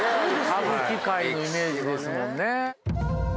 歌舞伎界のイメージですもんね。